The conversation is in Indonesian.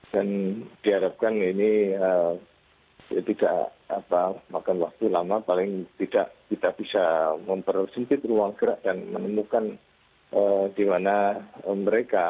diharapkan ini tidak makan waktu lama paling tidak kita bisa mempersempit ruang gerak dan menemukan di mana mereka